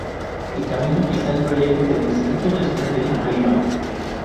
En camino, está el proyecto del Instituto Nacional de la Marimba.